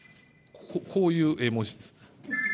こういう絵文字です。